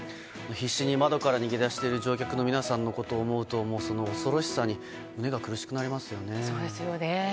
必死に窓から逃げ出している乗客の皆さんのことを思うとその恐ろしさに胸が苦しくなりますよね。